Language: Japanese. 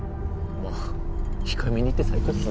まぁ控えめに言って最高っすね。